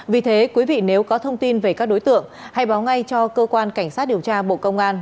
vì thế quý vị nếu có thông tin về các đối tượng hãy báo ngay cho cơ quan cảnh sát điều tra bộ công an